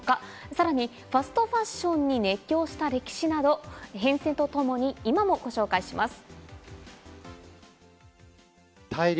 さらにファストファッションに熱狂した歴史など変遷とともに、今もご紹介します。